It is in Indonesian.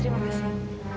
tadi apa dikasiin